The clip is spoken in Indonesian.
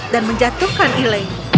dan menjatuhkan elaine